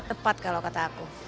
tepat kalau kata aku